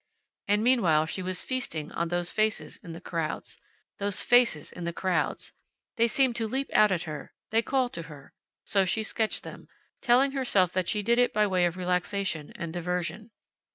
And meanwhile she was feasting on those faces in the crowds. Those faces in the crowds! They seemed to leap out at her. They called to her. So she sketched them, telling herself that she did it by way of relaxation, and diversion.